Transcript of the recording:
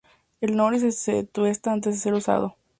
El nori se tuesta antes de ser usado para comer.